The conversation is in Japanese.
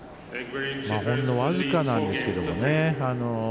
ほんの僅かなんですけどね。